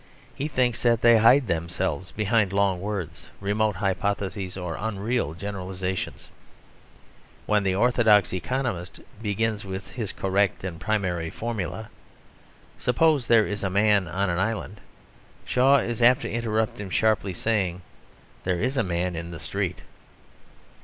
He thinks that they hide themselves behind long words, remote hypotheses or unreal generalisations. When the orthodox economist begins with his correct and primary formula, "Suppose there is a Man on an Island " Shaw is apt to interrupt him sharply, saying, "There is a Man in the Street."